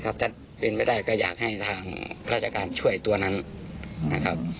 ถ้าเป็นไปได้ก็อยากให้ทางราชการช่วยตัวนั้นนะครับ